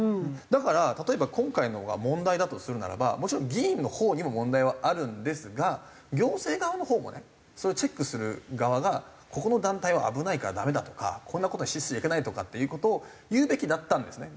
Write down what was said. だから例えば今回のが問題だとするならばもちろん議員のほうにも問題はあるんですが行政側のほうもねそれをチェックする側が「ここの団体は危ないからダメだ」とか「こんな事に支出しちゃいけない」とかっていう事を言うべきだったんですね。